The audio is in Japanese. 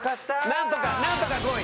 なんとかなんとか５位。